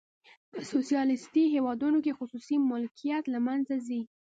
په سوسیالیستي هیوادونو کې خصوصي ملکیت له منځه ځي.